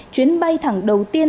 chuyến bay thẳng đầu tiên